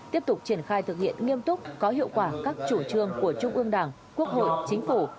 tiếp tục triển khai thực hiện nghiêm túc có hiệu quả các chủ trương của trung ương đảng quốc hội chính phủ